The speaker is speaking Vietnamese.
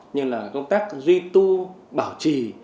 như là công tác duy tu bảo trì